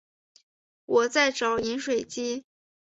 我在找饮水机